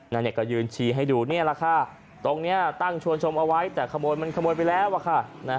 เนี่ยก็ยืนชี้ให้ดูนี่แหละค่ะตรงนี้ตั้งชวนชมเอาไว้แต่ขโมยมันขโมยไปแล้วอะค่ะ